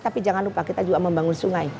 tapi jangan lupa kita juga membangun sungai